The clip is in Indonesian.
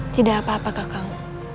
tidak apa apa kakang